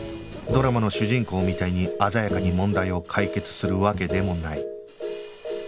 ドラマの主人公みたいに鮮やかに問題を解決するわけでもない